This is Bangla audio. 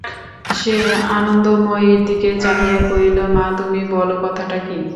সে আনন্দময়ীর দিকে চাহিয়া কহিল, মা, তুমি বলো কথাটা কী।